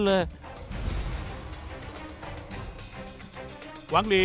เยียบดี